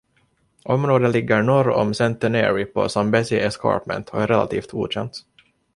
Området ligger norr om Centenary på Zambezi Escarpment och är relativt okänt.